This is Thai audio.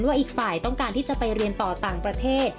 ว่าอีกฝ่ายต้องการที่จะไปเรียนต่อต่างประเทศ